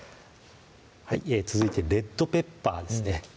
続いてレッドペッパーですね